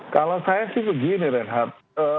kalau saya sih begini reinhardt